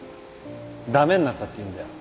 駄目になったっていいんだよ。